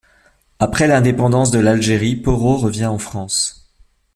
Après l'indépendance de l'Algérie, Porot revient en France.